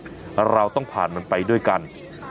เราต้องผ่านมันไปด้วยกัน